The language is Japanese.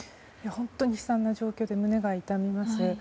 本当に悲惨な状況で胸が痛みます。